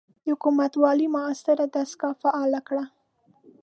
د حکومتوالۍ معاصره دستګاه فعاله کړه.